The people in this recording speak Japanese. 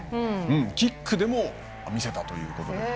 キックでも見せたということで。